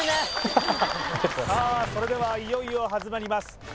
それではいよいよ始まります